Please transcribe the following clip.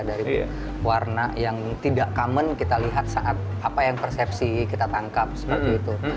dari warna yang tidak common kita lihat saat apa yang persepsi kita tangkap seperti itu